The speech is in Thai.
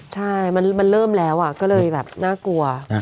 ใช่มันเริ่มแล้วก็เลยแบบน่ากลัว